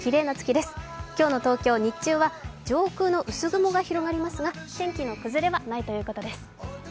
今日の東京、日中は上空の薄雲が広がりますが天気の崩れはないということです。